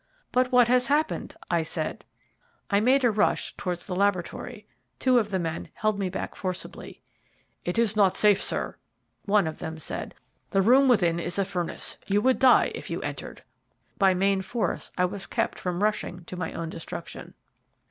"But what has happened?" I said. I made a rush towards the laboratory. Two of the men held me back forcibly. "It's not safe, sir," one of them said; "the room within is a furnace. You would die if you entered." By main force I was kept from rushing to my own destruction.